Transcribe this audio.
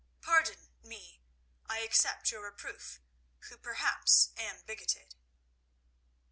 Pardon me, I accept your reproof, who perhaps am bigoted."